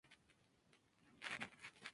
This made him a controversial figure.